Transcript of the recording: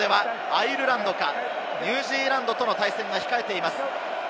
準決勝ではアイルランドかニュージーランドとの対戦が控えています。